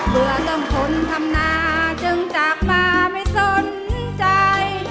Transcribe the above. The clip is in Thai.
เมื่อต้องทนทำนาจึงจากมาไม่สนใจ